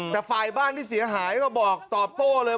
แต่ฝ่ายบ้านที่เสียหายก็บอกตอบโต้เลย